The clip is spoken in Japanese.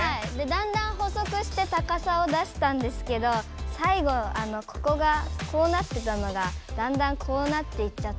だんだん細くして高さを出したんですけどさいごここがこうなってたのがだんだんこうなっていっちゃって。